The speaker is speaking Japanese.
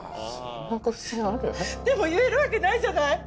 でも言えるわけないじゃない！